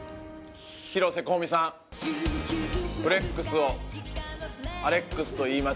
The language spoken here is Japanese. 広瀬香美さん「フレックス」を「アレックス」と言い間違え。